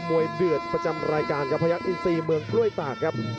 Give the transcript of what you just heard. เดือดประจำรายการครับพยักษ์อินซีเมืองกล้วยตากครับ